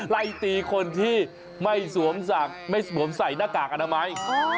ไล่ตีคนที่ไม่สวมไม่สวมใส่หน้ากากอนามัย